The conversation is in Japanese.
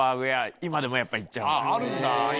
今でもやっぱ行っちゃうのよ。